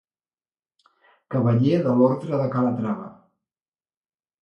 Cavaller de l'ordre de Calatrava.